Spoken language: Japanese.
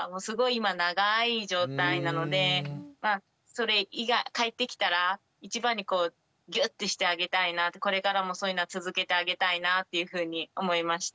今長い状態なので帰ってきたら一番にこうギュッてしてあげたいなってこれからもそういうのは続けてあげたいなっていうふうに思いました。